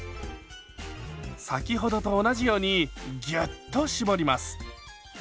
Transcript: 先ほどと同じようにギュッと絞ります。